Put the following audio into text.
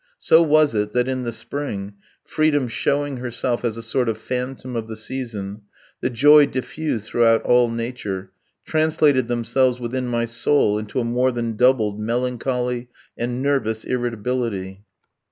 So was it that in the spring, Freedom showing herself as a sort of phantom of the season, the joy diffused throughout all Nature, translated themselves within my soul into a more than doubled melancholy and nervous irritability.